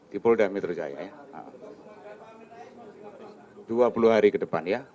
di pulau dami terjaya ya